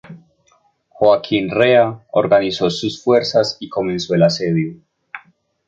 Joaquín Rea organizó sus fuerzas y comenzó el asedio.